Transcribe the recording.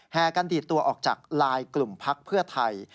กันดีดตัวออกจากลายกลุ่มพักเพื่อไทย